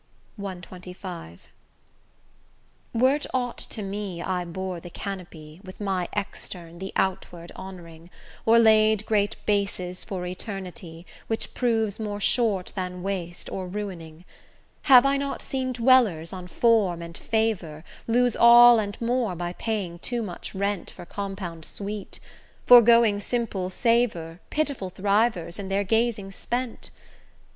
CXXV Were't aught to me I bore the canopy, With my extern the outward honouring, Or laid great bases for eternity, Which proves more short than waste or ruining? Have I not seen dwellers on form and favour Lose all and more by paying too much rent For compound sweet; forgoing simple savour, Pitiful thrivers, in their gazing spent?